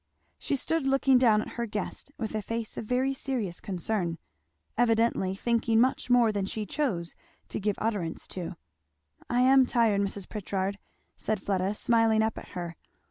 She stood looking down at her guest with a face of very serious concern, evidently thinking much more than she chose to give utterance to. "I am tired, Mrs. Pritchard," said Fleda, smiling up at her.